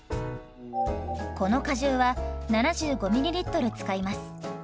この果汁は７５ｍｌ使います。